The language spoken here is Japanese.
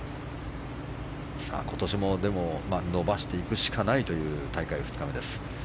今年も、でも伸ばしていくしかないという大会２日目です。